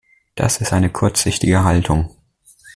Das ist eine kurzsichtige Haltung.